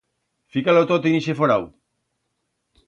Fica-lo tot en ixe forau.